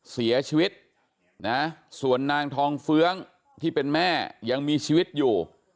เสียชีวิตนะส่วนนางทองเฟื้องที่เป็นแม่ยังมีชีวิตอยู่